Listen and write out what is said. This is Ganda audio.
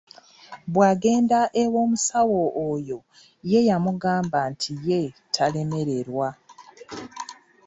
Bwagenda ew’omusawo oyo yamugamba nti ye talemererwa.